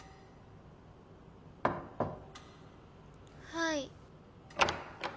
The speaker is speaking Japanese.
はい。